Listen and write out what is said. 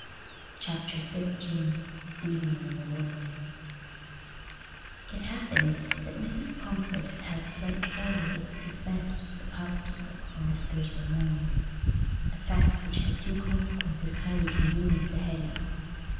Chapter XIII Evening in the Wood It happened that Mrs. Pomfret had had a slight quarrel with Mrs. Best, the housekeeper, on this Thursday morning—a fact which had two consequences highly convenient to Hetty.